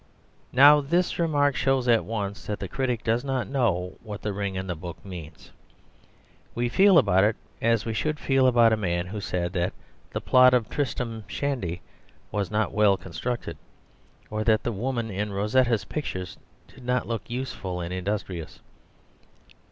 Now this remark shows at once that the critic does not know what The Ring and the Book means. We feel about it as we should feel about a man who said that the plot of Tristram Shandy was not well constructed, or that the women in Rossetti's pictures did not look useful and industrious.